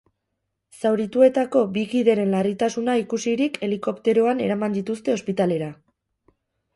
Zaurituetako bi kideren larritasuna ikusirik helikopteroan eraman dituzte ospitalera.